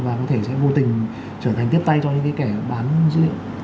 và có thể sẽ vô tình trở thành tiếp tay cho những kẻ bán dữ liệu